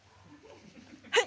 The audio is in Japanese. はい。